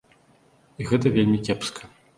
І гэта вельмі кепска.